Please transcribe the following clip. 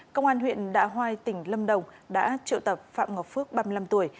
công an huyện đạ hoai tỉnh lâm đồng đã triệu tập phạm ngọc phước ba mươi năm tuổi